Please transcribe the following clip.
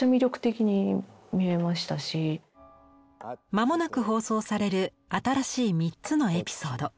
間もなく放送される新しい３つのエピソード。